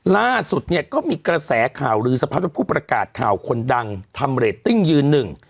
ล่าสุดเนี่ยก็มีกระแสข่าวลือสะพัดเป็นผู้ประกาศข่าวคนดังทำเรตติ้งยืนหนึ่ง